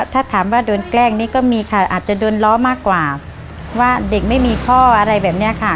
ถ้าถามว่าโดนแกล้งนี่ก็มีค่ะอาจจะโดนล้อมากกว่าว่าเด็กไม่มีข้ออะไรแบบนี้ค่ะ